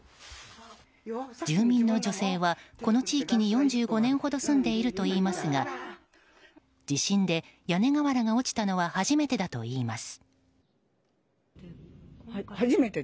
住民の女性はこの地域に４５年ほど住んでいるといいますが地震で屋根瓦が落ちたのは初めてだといいます。